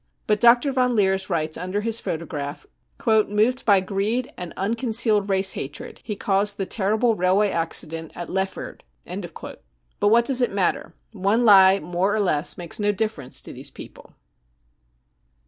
53 But Dr. von Leers writes under his photo graph :" Moved by greed and unconcealed race hatred, he caused the terrible railway accident at Leiferde." But whit does it matter ? One lie more or less makes no differ ence to these people.